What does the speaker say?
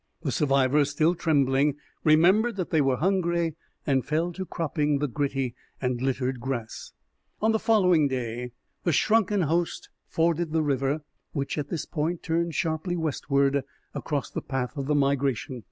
The survivors, still trembling, remembered that they were hungry, and fell to cropping the gritty and littered grass. On the following day the shrunken host forded the river, which at this point turned sharply westward across the path of the migration.